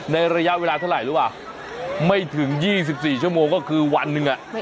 ในระยะเวลาเท่าไหร่หรือเปล่าไม่ถึง๒๔ชมก็คือวันหนึ่ง